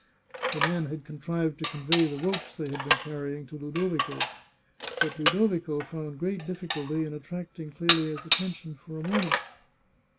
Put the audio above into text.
The men had contrived to convey the ropes they had been carrying to Ludovico. But Ludovico found great dif ficulty in attracting Clelia's attention for a moment.